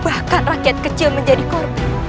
bahkan rakyat kecil menjadi korban